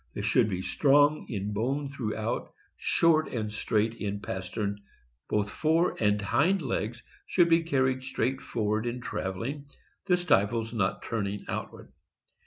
They should 380 THE AMERICAN BOOK OF THE DOG. be strong in bone throughout, short and straight in pastern. Both fore and hind legs should be carried straight forward in traveling, the stifles not turning outward.